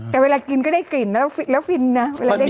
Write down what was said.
แต่เวลากินก็ได้กลิ่นนะแล้วฟีนนะ